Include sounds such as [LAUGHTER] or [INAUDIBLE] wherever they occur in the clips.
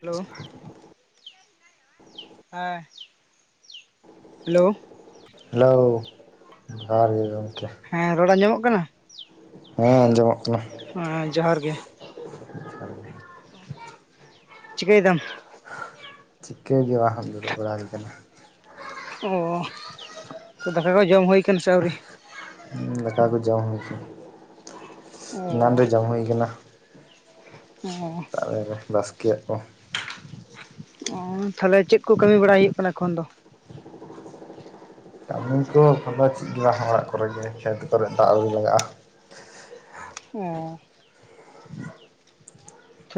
Hello ᱦᱮᱸ hello ᱦᱮᱞᱟᱹᱣ ᱡᱚᱦᱟᱨ ᱜᱮ ᱜᱚᱢᱠᱮ ᱦᱮᱸ ᱨᱚᱲ ᱟᱡᱚᱢᱚᱜ ᱠᱟᱱᱟ ᱦᱮᱸ ᱟᱸᱡᱚᱢᱚᱜ ᱠᱟᱱᱟ ᱦᱮᱸ ᱡᱚᱦᱟᱨ ᱜᱮ ᱪᱤᱠᱟᱹᱭ ᱫᱟᱢ ᱪᱤᱠᱟᱹ ᱜᱮ ᱵᱟᱝ ᱫᱩᱲᱩᱵ ᱵᱟᱲᱟ ᱦᱩᱭ ᱟᱠᱟᱱᱟ ᱚ ᱛᱚ ᱫᱟᱠᱟ ᱠᱚ ᱡᱚᱢ ᱦᱩᱭ ᱠᱟᱱᱟ ᱥᱮ ᱟᱹᱣᱨᱤ ᱫᱟᱠᱟ ᱠᱚ ᱡᱚᱢ ᱦᱩᱭ ᱠᱟᱱᱟ ᱚ ᱮᱱᱟᱱ ᱨᱮ ᱡᱚᱢ ᱦᱩᱭ ᱠᱟᱱᱟ ᱚ ᱥᱮᱛᱟᱜ ᱵᱮᱨ ᱨᱮ ᱵᱟᱥᱠᱮᱭᱟᱜ ᱠᱚ ᱚ ᱛᱟᱦᱞᱮ ᱪᱮᱫ ᱠᱚ ᱠᱟᱹᱢᱤ ᱵᱟᱲᱟᱭ ᱦᱩᱭᱩᱜ ᱠᱟᱱᱟ ᱮᱠᱷᱚᱱ ᱫᱚ? ᱠᱟᱹᱢᱤ ᱠᱚ ᱮᱠᱷᱮᱱ ᱫᱚ ᱪᱮᱫ ᱜᱮ ᱵᱟᱝ ᱱᱚᱜ ᱚᱭ ᱚᱲᱟᱜ ᱠᱚᱨᱮ ᱜᱮ ᱠᱷᱮᱛ ᱠᱚᱨᱮ ᱫᱟᱜ ᱟᱜᱩᱭ ᱞᱟᱜᱟᱜ-ᱟ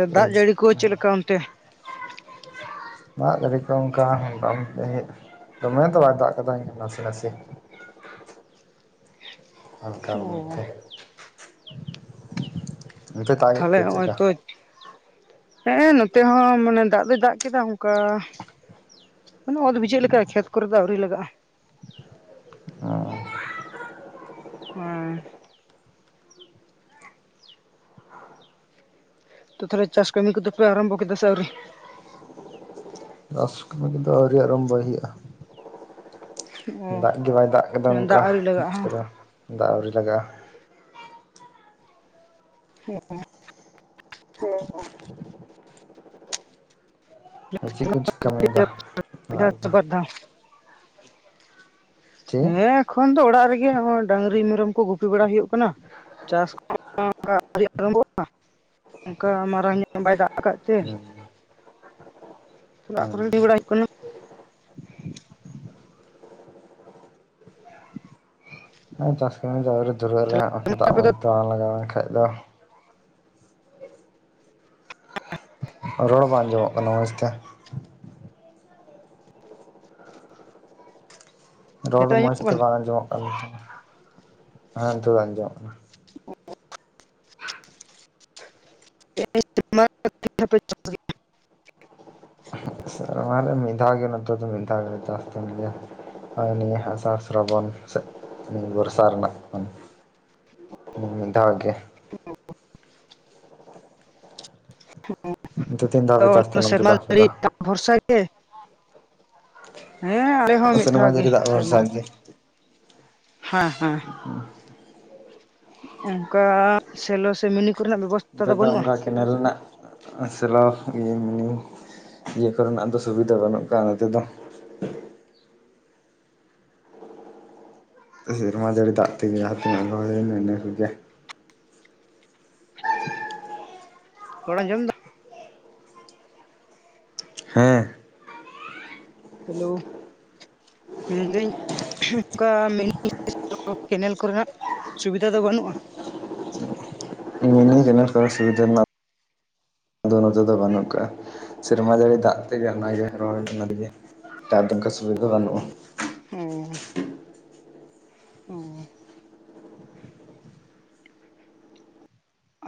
ᱚ ᱫᱟᱜ ᱡᱟᱹᱲᱤ ᱠᱚ ᱪᱮᱫ ᱞᱮᱠᱟ ᱚᱱᱛᱮ ᱫᱟᱜ ᱫᱟᱲᱮ ᱠᱚ ᱚᱱᱠᱟ ᱢᱚᱴᱟᱢᱩᱴᱤ ᱫᱚᱢᱮ ᱫᱚ ᱵᱟᱭ ᱫᱟᱜ ᱟᱠᱟᱫᱟ ᱱᱟᱥᱮ ᱱᱟᱥᱮ ᱦᱟᱞᱠᱟᱨ ᱚ ᱢᱳᱫᱫᱷᱮ ᱚᱱᱛᱮ ᱫᱟᱜᱮᱫ ᱛᱟᱦᱚᱞᱮ ᱜᱮᱭᱟ ᱪᱮᱫ ᱱᱚᱜᱼᱚᱭ ᱞᱮᱠᱟ ᱛᱚ ᱦᱮᱸ ᱱᱚᱛᱮ ᱦᱚᱸ ᱢᱟᱱᱮ ᱫᱟᱜ ᱫᱚᱭ ᱫᱟᱜ ᱠᱮᱫᱟ ᱚᱱᱠᱟ ᱢᱟᱱᱮ ᱚᱛ ᱵᱤᱡᱷᱟᱹᱜ ᱞᱮᱠᱟ ᱠᱷᱮᱛ ᱠᱚᱨᱮ ᱫᱚ ᱟᱣᱨᱤ ᱞᱟᱜᱟᱜ-ᱟ ᱚ ᱦᱮᱸ ᱛᱚ ᱛᱟᱦᱚᱞᱮ ᱪᱟᱥ ᱠᱟᱹᱢᱤ ᱠᱚᱫᱚ ᱯᱮ ᱟᱨᱟᱢᱵᱚ ᱠᱮᱫᱟ ᱥᱮ ᱟᱹᱣᱨᱤ ᱪᱟᱥ ᱠᱟᱹᱢᱤ ᱠᱚᱫᱚ ᱟᱹᱣᱨᱤ ᱟᱨᱟᱢ ᱵᱚᱭ ᱦᱩᱭᱩᱜᱼᱟ ᱚ ᱫᱟᱜ ᱜᱮ ᱵᱟᱭ ᱫᱟᱜ ᱠᱟᱫᱟ ᱚᱱᱠᱟ ᱫᱟᱜ ᱟᱹᱣᱨᱤ ᱵᱩᱡ ᱞᱟᱜᱟᱜᱼᱟ ᱠᱮᱫᱟᱢ ᱫᱟᱜ ᱟᱹᱣᱨᱤ ᱞᱟᱜᱟᱜᱼᱟ [UNINTELLIGIBLE] ᱟᱫᱚ ᱪᱮᱫ ᱠᱚᱢ ᱪᱤᱠᱟ ᱵᱟᱲᱟᱭ ᱫᱟ ᱢᱤᱫ ᱫᱷᱟᱣ ᱚᱲᱟᱜ ᱥᱮ ᱨᱮᱫᱚ ᱵᱟᱨ ᱫᱷᱟᱣ ᱪᱮ ᱦᱮᱸ ᱮᱠᱷᱚᱱ ᱫᱚ ᱚᱲᱟᱜ ᱨᱮᱜᱮ ᱰᱟᱝᱨᱤ ᱢᱮᱨᱚᱢ ᱠᱚ ᱜᱩᱯᱤ ᱵᱟᱲᱟ ᱦᱩᱭᱩᱜ ᱠᱟᱱᱟ ᱪᱟᱥ ᱠᱚᱢᱟ ᱚᱱᱠᱟ ᱟᱹᱣᱨᱤ ᱟᱨᱟᱢ ᱵᱚᱜ-ᱟ ᱚᱱᱠᱟ ᱢᱟᱨᱟᱝ ᱧᱚᱜ ᱵᱟᱭ ᱫᱟᱜ ᱟᱠᱟᱫ ᱛᱮ ᱚᱲᱟᱜ ᱠᱚᱨᱮ [UNINTELLIGIBLE] ᱵᱟᱲᱟ ᱦᱩᱭᱩᱜ ᱠᱟᱱᱟ ᱮᱸ ᱪᱟᱥ ᱠᱟᱹᱢᱤ ᱫᱚ ᱟᱹᱣᱨᱤ ᱞᱮ ᱫᱷᱩᱨᱟᱹᱜ ᱟᱞᱮ ᱠᱟᱱᱟ ᱦᱟᱸᱜ ᱫᱟᱜ ᱟᱯᱮ ᱫᱚ ᱢᱚᱡᱽ ᱛᱮ ᱵᱟᱝ ᱞᱟᱜᱟᱣ ᱞᱮᱱᱠᱟᱡ ᱫᱚ ᱨᱚᱲ ᱵᱟᱝ ᱟᱸᱡᱚᱢᱚᱜ ᱠᱟᱱᱟ ᱢᱚᱥᱽᱛᱮ ᱨᱚᱲ ᱦᱮᱛᱟᱜ ᱢᱚᱸᱥᱽ ᱧᱚᱜ ᱛᱮ ᱠᱟᱱᱟ ᱵᱟᱝ ᱟᱸᱡᱚᱢᱚᱜ ᱠᱟᱱ ᱦᱮᱸ ᱱᱤᱛᱚᱜ ᱫᱚ ᱟᱸᱡᱚᱢᱚᱜ ᱠᱟᱱᱟ [UNINTELLIGIBLE] [UNINTELLIGIBLE] ᱥᱮᱨᱢᱟ ᱨᱮ ᱢᱤᱫ ᱫᱷᱟᱣ ᱜᱮ ᱱᱤᱛᱚᱜ ᱫᱚ ᱢᱤᱫ ᱫᱷᱟᱣ ᱜᱮᱞᱮ ᱪᱟᱥ ᱛᱟᱸᱦᱮᱱ ᱜᱮᱭᱟ ᱦᱳᱭ ᱱᱤᱭᱟᱹ ᱟᱥᱟᱲ ᱥᱨᱟᱵᱚᱱ ᱥᱮᱡᱽ ᱵᱚᱨᱥᱟ ᱨᱮᱱᱟᱜ ᱵᱚᱱ ᱦᱩᱸ ᱢᱤᱫ ᱫᱷᱟᱣ ᱜᱮ [UNINTELLIGIBLE] ᱱᱤᱛᱚᱜ ᱛᱤᱱ ᱫᱷᱟᱣ ᱯᱮ ᱪᱟᱥ ᱛᱟᱦᱮᱱᱟ [UNINTELLIGIBLE] ᱚᱱᱛᱮ ᱥᱮᱨᱢᱟ ᱫᱚ ᱟᱯᱮ ᱡᱟᱹᱲᱤ ᱫᱚ ᱫᱟᱜ ᱵᱷᱚᱨᱥᱟ ᱜᱮ ᱦᱮᱸ ᱟᱞᱮ ᱦᱚᱸ ᱢᱤᱫ ᱥᱮᱨᱢᱟ ᱫᱷᱟᱣ ᱜᱮ ᱡᱟᱹᱲᱤ ᱫᱟᱜ ᱵᱷᱚᱨᱥᱟ ᱥᱮᱨᱢᱟ ᱨᱮ ᱜᱮ ᱦᱮᱸ ᱦᱮᱸ ᱚᱱᱠᱟ ᱥᱮᱞᱳ ᱥᱮ ᱢᱤᱱᱤ ᱠᱚᱨᱮᱱᱟᱜ ᱵᱮᱵᱚᱥᱛᱟ ᱱᱚᱛᱮ ᱫᱚ ᱚᱝᱠᱟ ᱠᱮᱱᱮᱞ ᱱᱟᱹᱜ ᱥᱮᱞᱚ ᱤᱭᱟᱹ ᱢᱤᱱᱤ ᱤᱭᱟᱹ ᱠᱚᱨᱮᱱᱟᱜ ᱫᱚ ᱥᱩᱵᱤᱫᱷᱟ ᱵᱟᱹᱱᱩᱜ ᱠᱟᱜᱼᱟ ᱱᱚᱛᱮ ᱫᱚ ᱥᱤᱨᱢᱟ ᱡᱟᱹᱲᱤ ᱫᱟᱜ ᱛᱮᱜᱮ ᱡᱟᱦᱟ ᱛᱤᱱᱟᱹᱜ ᱨᱚᱦᱚᱭ ᱦᱩᱭᱮᱱᱟ ᱤᱱᱟᱹ ᱠᱚᱜᱮ ᱨᱚᱲᱮᱢ ᱟᱸᱡᱚᱢ ᱫᱟ ᱦᱮᱸ ᱦᱮᱞᱳ ᱢᱮᱱᱫᱟᱹᱧ ᱚᱝᱠᱟ [UNINTELLIGIBLE] ᱠᱮᱱᱮᱞ ᱠᱚᱨᱮᱱᱟᱜ ᱥᱩᱵᱤᱫᱷᱟ ᱫᱚ ᱵᱟᱹᱱᱩᱜᱼᱟ ᱜᱮᱢᱮᱨ ᱠᱚᱨᱮ ᱥᱩᱵᱤᱫᱷᱟ ᱱᱟᱹᱜ ᱫᱚ ᱱᱚᱸᱛᱮ ᱫᱚ ᱵᱟᱹᱱᱩᱜ ᱠᱟᱜᱼᱟ ᱥᱮᱨᱢᱟ ᱡᱟᱹᱲᱤ ᱫᱟᱜ ᱛᱮᱜᱮ ᱚᱱᱟᱜᱮ ᱨᱚᱦᱚᱭ ᱚᱱᱟ ᱛᱮᱜᱮ ᱴᱟᱹᱜ ᱚᱱᱠᱟ ᱥᱩᱵᱤᱫᱷᱟ ᱵᱟᱹᱱᱩᱜᱼᱟ ᱦᱩᱸ ᱩᱸ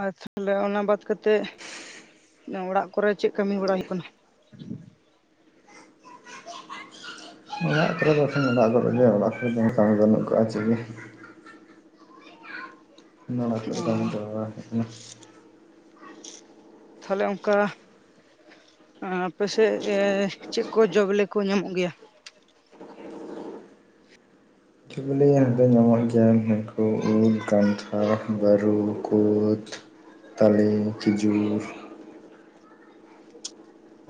ᱟᱨ ᱛᱟᱦᱚᱞᱮ ᱚᱱᱟ ᱵᱟᱫᱽ ᱠᱟᱛᱮᱜ ᱚᱲᱟᱜ ᱠᱚᱨᱮ ᱪᱮᱜ ᱠᱟᱹᱢᱤ ᱵᱟᱲᱟᱭ ᱦᱩᱭᱩᱜ ᱠᱟᱱᱟ ᱚᱲᱟᱜ ᱠᱚᱨᱮ ᱫᱚ ᱮᱠᱷᱟᱱ ᱚᱲᱟᱜ ᱠᱚᱨᱮᱜ ᱜᱮ ᱚᱲᱟᱜ ᱠᱚᱨᱮ ᱫᱚ [UNINTELLIGIBLE] ᱵᱟᱹᱱᱩᱜ ᱠᱟᱹᱜᱼᱟ ᱪᱮᱜ ᱜᱮ ᱱᱚᱲᱟᱜ ᱠᱚᱨᱮ ᱠᱟᱹᱢᱤ ᱚᱸ ᱪᱟᱵᱟ ᱦᱮᱡ ᱱᱟ ᱛᱟᱦᱚᱞᱮ ᱚᱝᱠᱟ ᱟᱯᱮᱥᱮᱜ ᱮᱸ ᱪᱮᱜ ᱠᱚ ᱡᱚ ᱵᱮᱞᱮ ᱠᱚ ᱧᱟᱢᱚᱜ ᱜᱮᱭᱟ ᱡᱚ ᱵᱮᱞᱮ ᱦᱟᱸ ᱫᱚ ᱧᱟᱢᱚᱜ ᱜᱮᱭᱟ ᱱᱩᱝᱠᱩ ᱩᱞ ᱠᱟᱱᱴᱷᱟᱲ ᱵᱟᱹᱨᱩ ᱠᱩᱫᱽ ᱛᱟᱞᱮ ᱠᱷᱤᱡᱩᱨ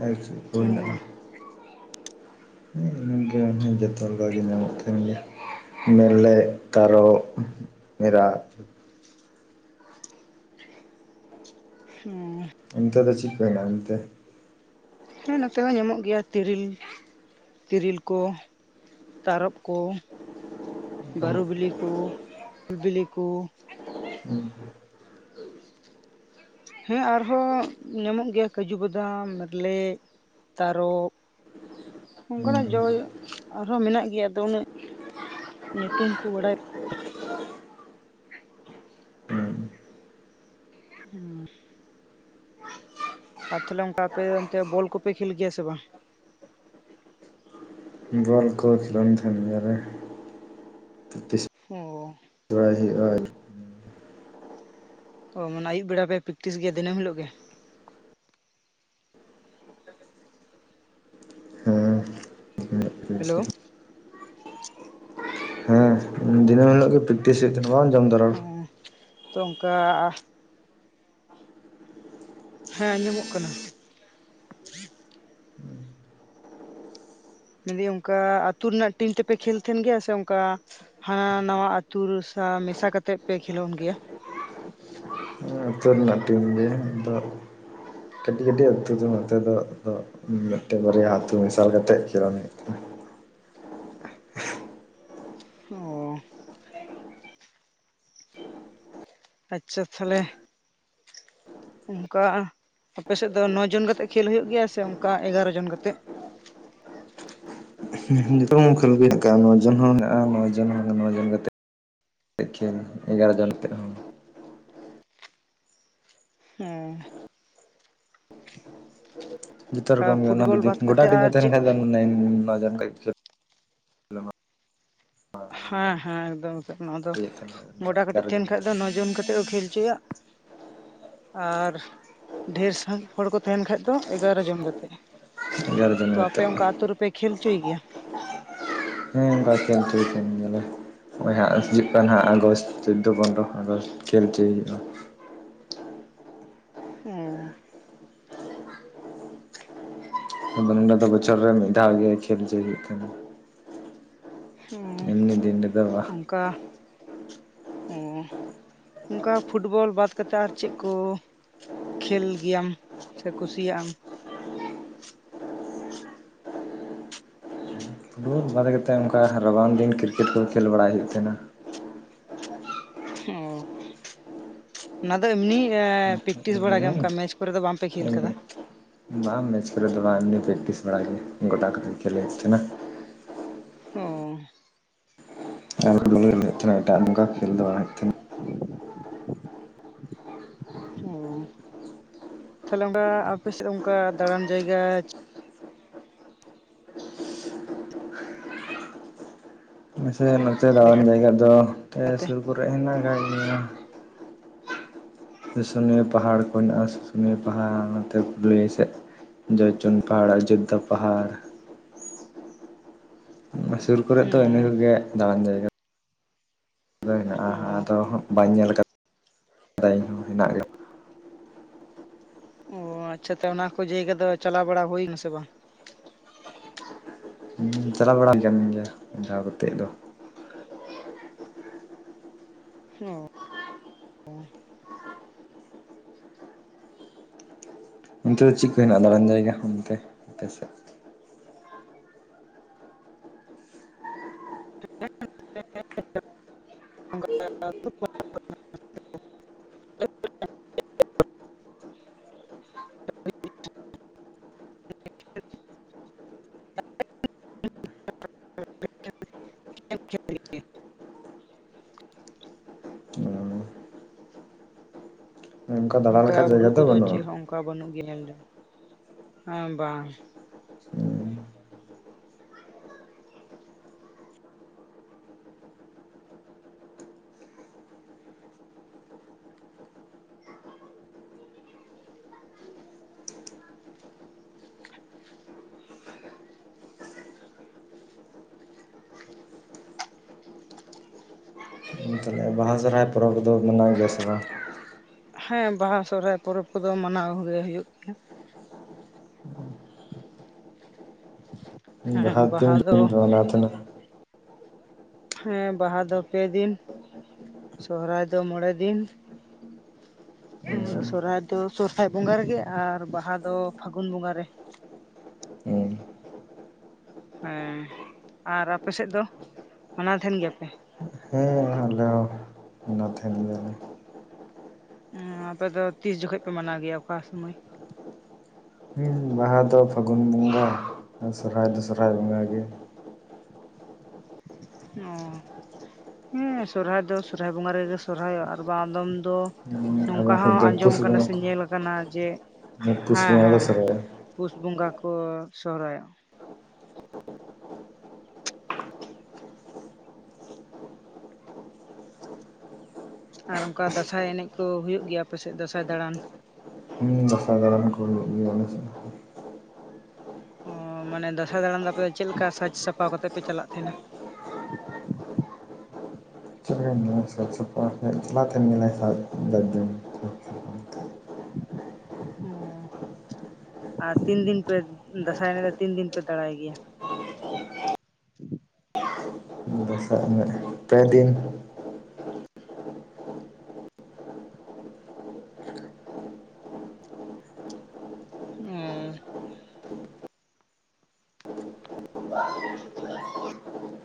ᱟᱨ ᱪᱮᱜ ᱠᱚ ᱦᱮᱱᱟᱜᱼᱟ ᱦᱩᱸ ᱦᱮᱸ [UNINTELLIGIBLE] ᱡᱚᱛᱚ ᱞᱮᱠᱟ ᱜᱮ ᱧᱟᱢᱚᱜ ᱠᱟᱱ ᱜᱮᱭᱟ ᱢᱮᱞᱮᱜ ᱛᱟᱨᱚᱵᱽ ᱢᱮᱨᱟᱜ ᱦᱳᱭ ᱚᱱᱛᱮ ᱫᱚ ᱪᱤᱜ ᱠᱚ ᱦᱮᱱᱟᱜᱼᱟ ᱚᱱᱛᱮ ᱦᱮᱸ ᱱᱚᱛᱮ ᱦᱚᱸ ᱧᱟᱢᱚᱜ ᱜᱮᱭᱟ ᱛᱤᱨᱤᱞ ᱛᱤᱨᱤᱞ ᱠᱚ ᱛᱟᱨᱚᱵᱽ ᱠᱚ ᱵᱟᱨᱩ ᱵᱤᱞᱤ ᱠᱚ ᱩᱞ ᱵᱤᱞᱤ ᱠᱚ ᱦᱮᱸ ᱦᱮᱸ ᱟᱨᱦᱚᱸ ᱧᱟᱢᱚᱜ ᱜᱮᱭᱟ ᱠᱟᱹᱡᱩ ᱵᱟᱫᱟᱢ ᱢᱮᱨᱞᱮᱜ ᱛᱟᱨᱚᱵ ᱚᱝᱠᱟᱱᱟᱜ ᱡᱚ ᱟᱨᱦᱚᱸ ᱢᱮᱱᱟᱜ ᱜᱮᱭᱟᱫᱚ ᱩᱱᱟᱹᱜ ᱧᱩᱛᱩᱢ ᱠᱚ ᱵᱟᱲᱟᱭ ᱦᱩᱸ ᱟᱨ ᱛᱟᱦᱚᱞᱮ ᱚᱝᱠᱟ ᱟᱯᱮ ᱚᱱᱛᱮ ᱵᱚᱞ ᱠᱚᱯᱮ ᱠᱷᱮᱞ ᱜᱮᱭᱟ ᱥᱮ ᱵᱟᱝ ᱵᱚᱞ ᱠᱚ ᱠᱷᱮᱞᱚᱱ ᱛᱟᱦᱮᱱ ᱜᱮᱭᱟ ᱞᱮ ᱛᱤᱥ ᱚᱸ ᱯᱨᱟᱭ ᱦᱩᱭᱩᱜᱼᱟ [UNINTELLIGIBLE] ᱚᱸ ᱢᱟᱱᱮ ᱟᱭᱩᱵ ᱵᱮᱲᱟ ᱯᱮ ᱯᱤᱠᱴᱤᱥ ᱜᱮᱭᱟ ᱫᱤᱱᱟᱹᱢ ᱦᱤᱞᱳᱜ ᱜᱮ ᱦᱮᱞᱳ ᱦᱮᱸ ᱫᱤᱱᱟᱹᱢ [UNINTELLIGIBLE] ᱛᱤᱥᱮᱫ ᱵᱟᱝ ᱡᱚᱢ [UNINTELLIGIBLE] ᱦᱮᱸ ᱛᱚ ᱚᱱᱠᱟ ᱦᱮᱸ ᱟᱸᱡᱚᱢᱚᱜ ᱠᱟᱱᱟ᱾ ᱢᱮᱱᱫᱤᱧ ᱚᱱᱠᱟ ᱟᱹᱛᱩ ᱨᱮᱱᱟᱜ ᱴᱤᱢ ᱛᱮᱯᱮ ᱠᱷᱮᱞ ᱛᱟᱦᱮᱱ ᱜᱮᱭᱟ ᱥᱮ ᱚᱱᱠᱟ, ᱦᱟᱱᱟ ᱱᱟᱣᱟ ᱟᱹᱛᱩ ᱨᱮ ᱥᱟ ᱢᱮᱥᱟ ᱠᱟᱛᱮᱜ ᱯᱮ ᱠᱷᱮᱞᱳᱰ ᱜᱮᱭᱟ᱾ ᱟᱹᱛᱩ ᱨᱮᱱᱟᱜ ᱴᱤᱢ ᱜᱮ ᱟᱫᱚ ᱠᱟᱹᱴᱤᱡ ᱠᱟᱹᱴᱤᱡ ᱟᱹᱛᱩ ᱫᱚ ᱱᱚᱛᱮ ᱫᱚ ᱟᱫᱚ᱾ ᱢᱤᱫᱴᱮᱱ ᱵᱟᱨᱭᱟ ᱟᱹᱛᱩ ᱢᱮᱥᱟᱞ ᱠᱟᱛᱮᱫ ᱠᱷᱮᱞᱚᱱ ᱦᱩᱭᱩᱜ ᱚᱸ ᱟᱪᱪᱷᱟ ᱛᱟᱦᱚᱞᱮ ᱚᱱᱠᱟ ᱟᱯᱮᱥᱮᱫ ᱫᱚ ᱱᱚ ᱡᱚᱱ ᱠᱟᱛᱮᱜ ᱠᱷᱮᱞ ᱦᱩᱭᱩᱜ ᱜᱮᱭᱟ, ᱥᱮ ᱚᱱᱠᱟ ᱮᱜᱟᱨᱚ ᱡᱚᱱ ᱠᱟᱛᱮᱜ? ᱡᱚᱛᱚ [UNINTELLIGIBLE] ᱦᱚᱸ ᱢᱮᱱᱟᱜᱼᱟ ᱱᱚ ᱡᱚᱱ ᱱᱚ ᱡᱚᱱ ᱠᱟᱛᱮ ᱠᱷᱮᱞ ᱮᱜᱟᱨᱚ ᱡᱚᱱ ᱠᱟᱛᱮᱫ ᱦᱚᱸ ᱦᱮᱸ ᱡᱚᱛᱚ ᱨᱚᱠᱚᱢ ᱜᱮ ᱚᱱᱟ ᱯᱷᱩᱴᱵᱚᱞ ᱡᱩᱫᱤ ᱵᱟᱫ ᱜᱚᱪᱟ ᱠᱟᱛᱮᱫ ᱠᱟᱹᱴᱤᱡ ᱟᱨ ᱛᱟᱦᱮᱱ ᱪᱮᱫ ᱠᱷᱟᱱ ᱚᱱᱟ ᱡᱚᱠᱷᱮᱡ ᱦᱮᱸ ᱦᱮᱸ ᱮᱠᱫᱚᱢ ᱮᱠᱚᱢ, ᱟᱫᱚ ᱜᱚᱰᱟ ᱠᱟᱹᱴᱤᱡ ᱮᱜᱟᱨᱚ ᱛᱟᱦᱮᱱ ᱡᱚᱱ ᱠᱷᱟᱡ ᱠᱟᱛᱮᱫ ᱫᱚ ᱱᱚ ᱡᱚᱱ ᱠᱟᱛᱮᱫ ᱠᱚ ᱠᱷᱮᱞ ᱦᱚᱪᱚᱭᱟ᱾ ᱟᱨ ᱰᱷᱮᱨ ᱥᱟᱦᱤᱡ ᱦᱚᱲ ᱠᱚ ᱛᱟᱦᱮᱱ ᱠᱷᱟᱡ ᱫᱚ ᱮᱜᱟᱨᱚ ᱡᱚᱢ ᱠᱟᱛᱮᱫ᱾ ᱮᱜᱟᱨᱚ ᱡᱚᱱ ᱛᱚ ᱟᱯᱮ ᱠᱟᱛᱮᱫ ᱚᱱᱠᱟ ᱟᱛᱳ ᱨᱮᱯᱮ ᱠᱷᱮᱞ ᱦᱚᱪᱚᱭ ᱜᱮᱭᱟ᱾ ᱦᱮᱸ [UNINTELLIGIBLE] ᱱᱚᱜᱼᱭ ᱦᱟᱸᱜ ᱦᱤᱡᱩᱜ ᱠᱟᱱ ᱦᱟᱸᱜ ᱟᱜᱚᱥᱴ ᱪᱚᱫᱫᱚ ᱯᱚᱱᱨᱚ ᱟᱜᱚᱥᱴ ᱠᱷᱮᱞ ᱦᱚᱪᱚᱭ ᱦᱩᱭᱩᱜᱼᱟ᱾ ᱦᱮᱸ ᱟᱞᱮᱱᱱᱚᱰᱮ ᱫᱚ ᱵᱚᱪᱷᱚᱨ ᱨᱮ ᱢᱤᱫ ᱫᱷᱟᱣ ᱜᱮ ᱠᱷᱮᱞ ᱦᱚᱪᱚᱭ ᱦᱩᱭᱩᱜ ᱠᱟᱱᱟ᱾ ᱮᱢᱱᱤ ᱫᱤᱱ ᱨᱮᱫᱚ ᱵᱟᱝ᱾ ᱚᱝᱠᱟ ᱚ ᱚᱱᱠᱟ ᱯᱷᱩᱴᱵᱚᱞ ᱵᱟᱫ ᱠᱟᱛᱮᱫ ᱟᱨ ᱪᱮᱫ ᱠᱚ? ᱠᱷᱮᱞ ᱜᱮᱭᱟᱢ ᱥᱮ ᱠᱩᱥᱤᱭᱟᱜ ᱟᱢ? ᱯᱷᱩᱴᱵᱚᱞ ᱵᱟᱫᱮ ᱱᱚᱝᱠᱟ ᱚᱱᱠᱟ ᱨᱟᱵᱟᱝ ᱫᱤᱱ ᱠᱨᱤᱠᱮᱴ ᱠᱚ ᱠᱷᱮᱞ ᱵᱟᱲᱟᱭ ᱦᱩᱭᱩᱜ ᱛᱟᱦᱮᱱᱟ᱾ ᱚ ᱚᱱᱟ ᱫᱚ ᱮᱢᱱᱤ ᱯᱮᱠᱴᱤᱥ ᱵᱟᱲᱟ ᱜᱮ ᱚᱱᱠᱟ ᱢᱮᱪ ᱠᱚᱨᱮ ᱫᱚ ᱵᱟᱝᱯᱮ ᱠᱷᱮᱞ ᱟᱠᱟᱫᱟ᱾ ᱵᱟᱝ ᱢᱮᱪ ᱠᱚᱨᱮ ᱫᱚ ᱵᱟᱝ ᱮᱢᱱᱤ ᱯᱨᱮᱠᱴᱤᱥ ᱵᱟᱲᱟ ᱜᱮ ᱜᱚᱰᱟ ᱠᱚ ᱨᱮ ᱠᱷᱮᱞ ᱦᱩᱭᱩᱜ ᱛᱟᱦᱮᱱᱟ᱾ ᱚ ᱟᱨ [UNINTELLIGIBLE] ᱠᱷᱮᱞ ᱫᱚ ᱵᱟᱝ ᱦᱩᱭᱩᱜ ᱛᱟᱦᱮᱫ ᱚ ᱛᱟᱦᱞᱮ ᱚᱱᱠᱟ ᱟᱯᱮ ᱥᱮᱫ ᱚᱱᱠᱟ ᱫᱟᱬᱟᱱ ᱡᱟᱭᱜᱟ ᱢᱟᱥᱮ ᱱᱚᱛᱮ ᱫᱟᱬᱟᱱ ᱡᱟᱭᱜᱟ ᱫᱚ ᱱᱮ ᱞᱮᱠᱟᱛᱮ ᱥᱩᱨ ᱠᱚᱨᱮ ᱦᱮᱱᱟᱜ ᱟᱠᱟᱫ ᱜᱮᱭᱟ᱾ ᱥᱩᱥᱩᱱᱤᱭᱟᱹ ᱯᱟᱦᱟᱲ ᱠᱚ ᱢᱮᱱᱟᱜᱼᱟ, ᱥᱩᱥᱩᱱᱤᱭᱟᱹ ᱯᱟᱦᱟᱲ ᱱᱚᱛᱮ ᱯᱩᱨᱩᱞᱤᱭᱟᱹ ᱥᱮᱫ᱾ ᱡᱚᱭᱪᱚᱱᱰᱤ ᱯᱟᱦᱟᱲ ᱚᱡᱳᱫᱽᱫᱷᱟ ᱯᱟᱦᱟᱲ᱾ ᱥᱩᱨ ᱠᱚᱨᱮ ᱫᱚ ᱚ ᱤᱱᱟᱹ ᱠᱚᱜᱮ ᱫᱟᱬᱟᱱ ᱡᱟᱭᱜᱟ᱾ ᱫᱚ ᱦᱮᱱᱟᱜᱼᱟ ᱚ ᱟᱫᱚ ᱦᱟᱜ ᱵᱟᱹᱧ ᱧᱮᱞ ᱠᱟᱫᱟ ᱤᱧ ᱦᱚᱸ ᱦᱮᱱᱟᱜ ᱜᱮᱭᱟ ᱚ ᱟᱪᱪᱷᱟ ᱛᱚ ᱚᱱᱟ ᱠᱚ ᱡᱟᱭᱜᱟ ᱫᱚ ᱪᱟᱞᱟᱣ ᱵᱟᱲᱟ ᱦᱩᱭ ᱮᱱᱟ ᱥᱮ ᱵᱟᱝ? ᱪᱟᱞᱟᱣ ᱵᱟᱲᱟ ᱟᱠᱟᱱ ᱜᱮᱭᱟ ᱢᱤᱫ ᱫᱷᱟᱣ ᱠᱟᱛᱮᱫ ᱫᱚ᱾ ᱚ ᱚᱱᱛᱮ ᱫᱚ ᱪᱮᱫ ᱠᱚ ᱦᱮᱱᱟᱜᱼᱟ ᱫᱟᱬᱟᱱ ᱡᱟᱭᱜᱟ? ᱚᱱᱛᱮ ᱟᱯᱮ ᱥᱮᱫ [UNINTELLIGIBLE] [UNINTELLIGIBLE] [UNINTELLIGIBLE] ᱫᱟᱬᱟ ᱚᱱᱠᱟ ᱞᱮᱠᱟ ᱵᱩᱨᱩ ᱡᱟᱭᱜᱟ ᱫᱚ ᱠᱚᱫᱚ ᱵᱟᱹᱱᱩᱜᱼᱟ ᱪᱮᱫ ᱦᱚᱸ ᱚᱱᱠᱟ ᱵᱟᱹᱱᱩᱜ ᱜᱮ ᱧᱮᱞ ᱫᱚ, ᱦᱮᱸ ᱵᱟᱝ ᱛᱟᱦᱚᱞᱮ ᱵᱟᱦᱟ ᱥᱚᱦᱨᱟᱭ ᱯᱚᱨᱚᱵᱽ ᱫᱚ ᱢᱟᱱᱟᱣ ᱜᱮᱭᱟ ᱥᱮ ᱵᱟᱝ? ᱦᱮᱸ ᱵᱟᱦᱟ ᱥᱚᱦᱨᱟᱭ ᱯᱚᱨᱚᱵᱽ ᱠᱚᱫᱚ ᱢᱟᱱᱟᱣ ᱜᱮ ᱦᱩᱭᱩᱜ ᱜᱮᱭᱟ᱾ ᱦᱮᱸ ᱵᱟᱦᱟ ᱫᱚ ᱟᱞᱮ ᱱᱚᱛᱮ ᱦᱚᱸ ᱦᱮᱸ ᱵᱟᱦᱟ ᱫᱚ ᱯᱮ ᱫᱤᱱ ᱥᱚᱦᱨᱟᱭ ᱫᱚ ᱢᱚᱬᱮ ᱫᱤᱱ ᱦᱮᱸ ᱥᱚᱨᱦᱟᱭ ᱫᱚ ᱥᱚᱨᱦᱟᱭ ᱵᱚᱸᱜᱟ ᱨᱮᱜᱮ ᱟᱨ ᱵᱟᱦᱟ ᱫᱚ ᱯᱷᱟᱹᱜᱩᱱ ᱵᱚᱸᱜᱟ ᱨᱮ ᱦᱮᱸ ᱟᱨ ᱟᱯᱮ ᱥᱮᱫ ᱫᱚ ᱢᱟᱱᱟᱣ ᱛᱟᱦᱮᱱ ᱜᱮᱭᱟᱯᱮ ᱦᱮᱸ ᱟᱞᱮ ᱦᱚᱸ ᱚᱱᱟ ᱛᱟᱦᱮᱱ ᱮ ᱟᱯᱮ ᱫᱚ ᱛᱤᱥ ᱡᱚᱠᱷᱚᱱ ᱯᱮ ᱢᱟᱱᱟᱣ ᱜᱮᱭᱟ ᱚᱠᱟ ᱥᱩᱢᱚᱭ ᱦᱩᱸ ᱵᱟᱦᱟ ᱫᱚ ᱯᱷᱟᱹᱜᱩᱱ ᱵᱚᱸᱜᱟ ᱟᱨ ᱥᱚᱦᱨᱟᱭ ᱫᱚ ᱥᱚᱨᱦᱟᱭ ᱵᱚᱸᱜᱟ ᱜᱮ ᱚ ᱦᱮᱸ ᱥᱚᱨᱦᱟᱭ ᱫᱚ ᱥᱚᱨᱦᱟᱭ ᱵᱚᱸᱜᱟ ᱨᱮᱜᱮ ᱥᱚᱨᱦᱟᱭᱚᱜᱼᱟ ᱟᱨ ᱟᱫᱚᱢ ᱫᱚ ᱟᱞᱮ ᱱᱚᱝᱠᱟ ᱥᱮᱫ ᱦᱚᱸ ᱫᱚ ᱟᱸᱡᱚᱢ ᱯᱩᱥ ᱟᱠᱟᱱᱟ ᱵᱚᱸᱜᱟ ᱥᱮ ᱠᱚ ᱧᱮᱞ ᱠᱟᱱᱟ ᱡᱮ ᱯᱩᱥ ᱦᱮᱸ ᱵᱚᱸᱜᱟ ᱠᱚ ᱦᱮᱸ ᱦᱮᱸ ᱥᱚᱨᱦᱟᱭᱚᱜᱼᱟ ᱯᱩᱥ ᱵᱚᱸᱜᱟ ᱠᱚ ᱥᱚᱦᱨᱟᱭᱚᱜ-ᱟ ᱟᱨ ᱚᱱᱠᱟ ᱫᱟᱸᱥᱟᱭ ᱮᱱᱮᱡ ᱠᱚ ᱦᱩᱭᱩᱜ ᱜᱮᱭᱟ ᱟᱯᱮ ᱥᱮᱫ ᱫᱟᱸᱥᱟᱭ ᱫᱟᱬᱟᱱ ᱦᱩᱸ ᱫᱟᱸᱥᱟᱭ ᱫᱟᱲᱟᱱ ᱠᱚ ᱦᱩᱭᱩᱜ ᱜᱮᱭᱟ ᱟᱞᱮ ᱥᱮᱱ ᱚ ᱢᱟᱱᱮ ᱫᱟᱸᱥᱟᱭ ᱫᱟᱬᱟᱱ ᱫᱚ ᱟᱯᱮ ᱫᱚ ᱪᱮᱫ ᱞᱮᱠᱟ ᱥᱟᱡᱽ ᱥᱟᱯᱷᱟ ᱠᱟᱛᱮᱫ ᱯᱮ ᱪᱟᱞᱟᱜ ᱛᱟᱦᱮᱱᱟ ᱪᱮᱫ ᱞᱮᱠᱟᱧ ᱞᱟᱹᱭ ᱟᱢᱟ ᱥᱟᱡᱽ ᱥᱟᱯᱲᱟᱣ ᱮᱠᱞᱟ ᱛᱮᱢ ᱮᱱᱮᱡ ᱥᱟᱵ [UNINTELLIGIBLE] ᱟᱨ ᱛᱤᱱ ᱫᱤᱱ ᱯᱮ ᱫᱟᱸᱥᱟᱭ ᱮᱱᱮᱡ ᱫᱚ ᱛᱤᱱ ᱫᱤᱱ ᱯᱮ ᱫᱟᱲᱟᱭ ᱜᱮᱭᱟ ᱫᱟᱸᱥᱟᱭ ᱮᱱᱮᱢ ᱯᱮ ᱫᱤᱱ ᱚ